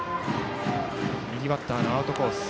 右バッターのアウトコース。